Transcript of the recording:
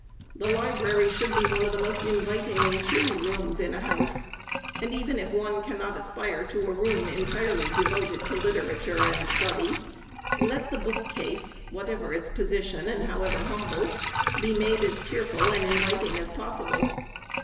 The library should be one of the most inviting and cheery rooms in a house, and even if one cannot aspire to a room entirely devoted to literature and study, let the bookcase, whatever its position or however humble, be made as cheerful and inviting as possible.